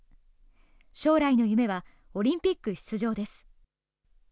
将来の夢は、オリンピック出場です。